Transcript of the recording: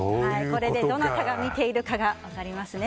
これでどなたが見ているかが分かりますね。